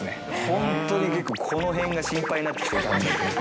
本当に結構、この辺が心配になってきて、最近。